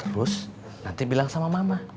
terus nanti bilang sama mama